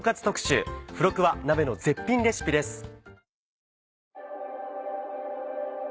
特集付録は鍋の絶品レシピです。